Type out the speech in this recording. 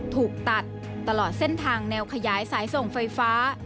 ถูกตัดตลอดเส้นทางแนวขยายสายส่งไฟฟ้า